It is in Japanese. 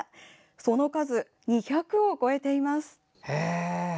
その数２００を超えています。